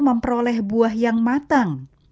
memperoleh buah yang matang